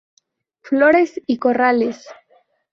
Flores y Corrales.